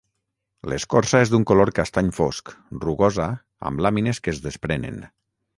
L'escorça és d'un color castany fosc, rugosa amb làmines que es desprenen.